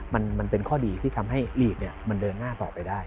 มันเป็นข้อดีที่ทำให้ลีกมันเดินหน้าต่อไปได้